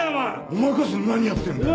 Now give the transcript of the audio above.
お前こそ何やってんだよ？